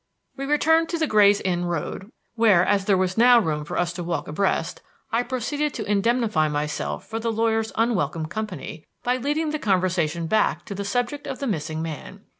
We returned to the Gray's Inn Road, where, as there was now room for us to walk abreast, I proceeded to indemnify myself for the lawyer's unwelcome company by leading the conversation back to the subject of the missing man.